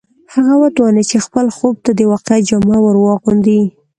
هغه وتوانېد چې خپل خوب ته د واقعیت جامه ور واغوندي